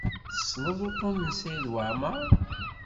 Tessneḍ uṭṭun n Saɛid Waɛmaṛ?